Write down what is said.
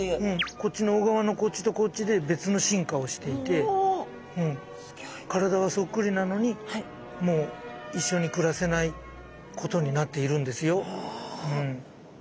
こっちの小川のこっちとこっちで別の進化をしていて体はそっくりなのにもう一緒に暮らせないことになっているんですようん。